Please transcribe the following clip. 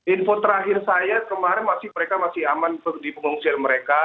info terakhir saya kemarin mereka masih aman di pengungsian mereka